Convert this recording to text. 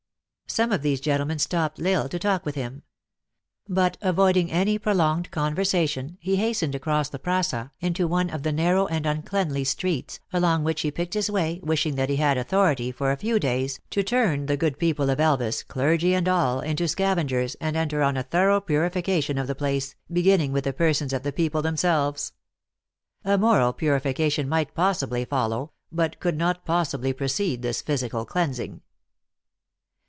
Some of these gentlemen stopped L Isle to talk with him. But, avoiding any prolonged conversation, he hastened across the praca, into one of the narrow and uncleanly streets, along which he picked his way, wishing that he had authority, for a few days, to turn the good people of Elvas, clergy and all, into scaven gers, and enter on a thorough purification of the place, beginning with the persons of the people them selves. A moral purification might possibly follow, 3* 66 THE ACTRESS IN HIGH LIFE. but could not possibly precede this physical cleansing.